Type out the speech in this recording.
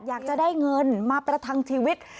อยากจะได้เงินมาประทังชีวิต